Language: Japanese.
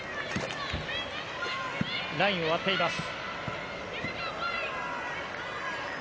ラインを割っています。